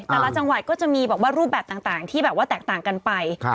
แต่ละจังหวัดก็จะมีรูปแบบต่างที่แตกต่างกันไป